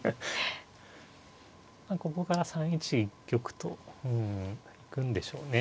ここから３一玉とうん行くんでしょうね。